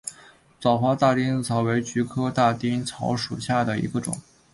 早花大丁草为菊科大丁草属下的一个种。